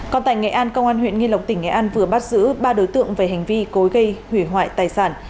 còn tại nghệ an công an huyện nghi lộc tỉnh nghệ an vừa bắt giữ ba đối tượng về hành vi cối gây hủy hoại tài sản